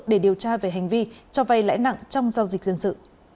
để điều tra về hành vi cho vay lãi nặng trong giao dịch dân sự